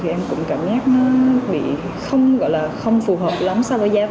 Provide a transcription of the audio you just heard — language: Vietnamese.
em cũng cảm giác nó bị không gọi là không phù hợp lắm so với giá vé